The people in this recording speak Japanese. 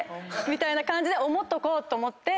みたいな感じで思っとこうと思って。